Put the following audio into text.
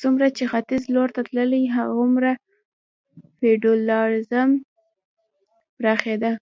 څومره چې ختیځ لور ته تللې هغومره فیوډالېزم پراخېده.